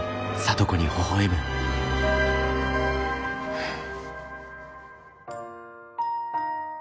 はあ。